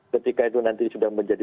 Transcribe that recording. ketika itu nanti sudah menjadi